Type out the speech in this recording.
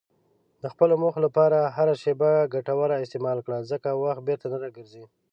د خپلو موخو لپاره هره شېبه ګټوره استعمال کړه، ځکه وخت بیرته نه راګرځي.